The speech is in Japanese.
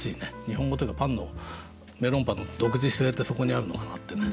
日本語というかパンのメロンパンの独自性ってそこにあるのかなってね